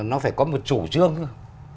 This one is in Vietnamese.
nó phải có một chủ trương thôi